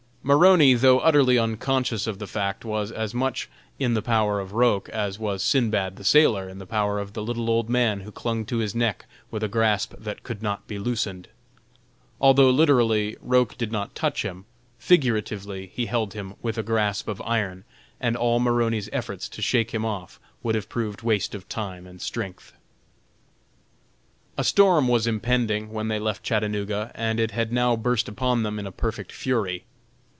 Maroney, though utterly unconscious of the fact, was as much in the power of Roch as was Sindbad the Sailor in the power of the little old man who clung to his neck with a grasp that could not be loosened. Although, literally, Roch did not touch him, figuratively he held him with a grasp of iron, and all Maroney's efforts to shake him off would have proved waste of time and strength. A storm was impending when they left Chattanooga and it had now burst upon them in a perfect fury.